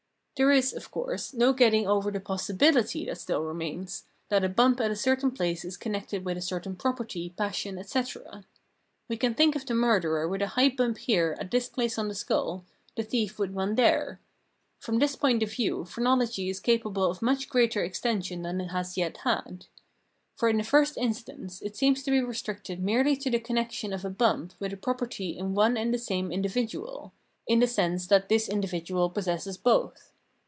There is, of course, no getting over the 'possibility that still remains, that a bump at a certain place is connected with a certain property, passion, etc. We can think of the murderer with a high bump here at this place on the skull, the thief with one there. From this point of view phrenology is capable of much greater extension than it has yet had. For in the first instance it seems to be restricted merely to the connection of a bump with a property in one and the same individual, in the sense that this individual possesses both.